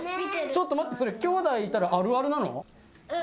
ちょっと待ってそれきょうだいいたら「あるある」なの？